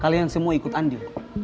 kalian semua ikut andi